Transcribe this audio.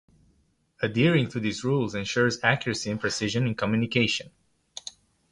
Adhering to these rules ensures accuracy and precision in communication.